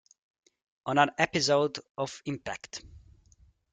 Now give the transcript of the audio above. On an episode of Impact!